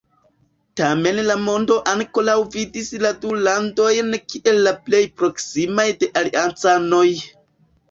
Tamen la mondo ankoraŭ vidis la du landojn kiel la plej proksimaj de aliancanoj.